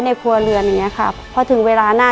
ในแคมเปญพิเศษเกมต่อชีวิตโรงเรียนของหนู